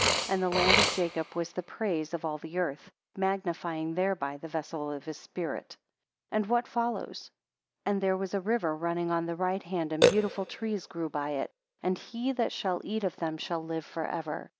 And the land of Jacob was the praise of all the earth; magnifying thereby the vessel of his spirit. 14 And what follows? And there was a river running on the right hand, and beautiful trees grew up by it; and he that shall eat of them shall live for ever.